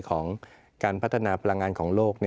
ของการพัฒนาพลังงานของโลก